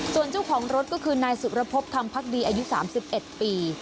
ส่วนเจ้าของรถก็คือนายสุรพบทำพักดีอายุ๓๑ปี